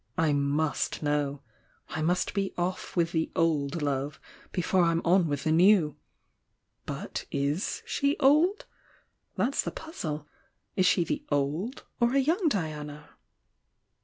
I must know! I must be off with the 'old' love, before I'm on with the new! But is she the 'old'? That's the puzzle. Is she the 'old,' or a young Diana?"